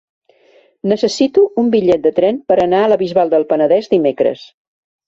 Necessito un bitllet de tren per anar a la Bisbal del Penedès dimecres.